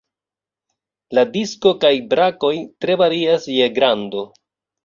La disko kaj brakoj tre varias je grando.